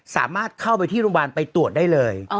สามารถเข้าไปที่โรงพยาบาลไปตรวจได้เลย